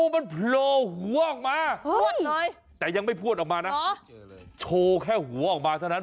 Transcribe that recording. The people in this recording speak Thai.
เป็นไงนิ่ง